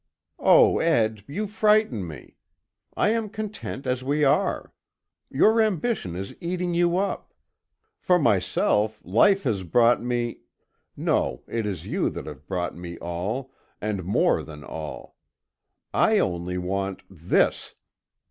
"Oh, Ed, you frighten me. I am content as we are. Your ambition is eating you up. For myself, life has brought me no, it is you that have brought me all, and more than all. I only want this!"